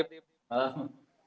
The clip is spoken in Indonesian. sampai jumpa lagi disini